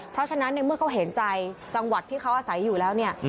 เพราะฉะนั้นในเมื่อเขาเห็นใจจังหวัดที่เขาอาศัยอยู่แล้วเนี่ย